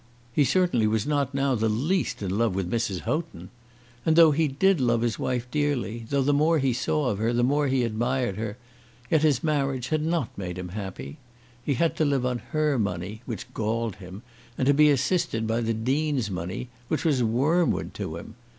He certainly was not now the least in love with Mrs. Houghton. And, though he did love his wife dearly, though the more he saw of her the more he admired her, yet his marriage had not made him happy. He had to live on her money, which galled him, and to be assisted by the Dean's money, which was wormwood to him.